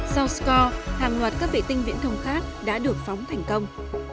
sau score hàng loạt các vệ tinh viễn thông khác đã được phóng thành công